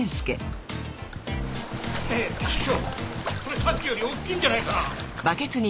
ねぇ師匠これさっきより大きいんじゃないかな？